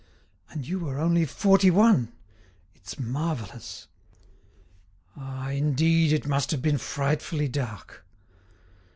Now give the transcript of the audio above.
"And you were only forty one; it's marvellous!" "Ah, indeed! it must have been frightfully dark!"